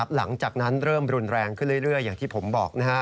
หลังจากนั้นเริ่มรุนแรงขึ้นเรื่อยอย่างที่ผมบอก